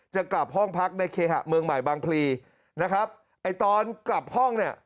จะกลับห้องพักในเคหะเมืองใหม่บางพลีนะครับไอ้ตอนกลับห้องเนี่ย